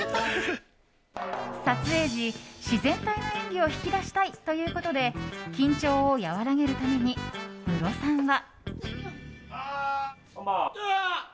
撮影時、自然体の演技を引き出したいということで緊張を和らげるためにムロさんは。